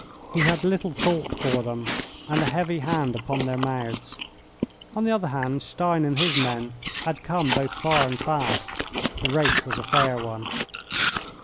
He had little thought for them and a heavy hand upon their mouths. On the other hand, Stein and his men had come both far and fast. The race was a fair one.